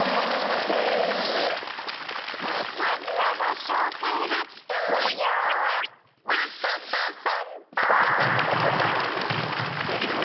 まずはご紹介初登場はきた！